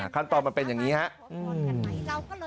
ขั้นตอนมันเป็นอย่างนี้ครับ